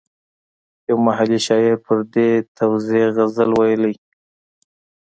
یو محلي شاعر پر دې توزېع غزل ویلی.